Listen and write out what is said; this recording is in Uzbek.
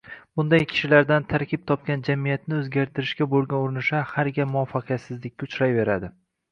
Bunday kishilardan tarkib topgan jamiyatni o‘zgartirishga bo‘lgan urinishlar har gal muvaffaqiyatsizlikka uchrayveradi.